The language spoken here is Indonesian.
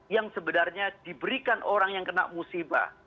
yang sebenarnya diberikan orang yang kena musibah